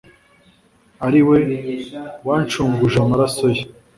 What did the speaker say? Ari we wanshunguj' amaraso ye.